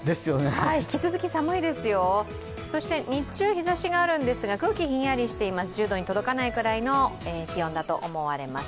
引き続き寒いですよ、そして、日中、日差しがあるんですけど、空気ひんやりしています１０度に届かないくらいの気温だと思われます。